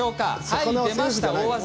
はい出ました大技！